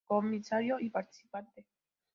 Comisario y participante.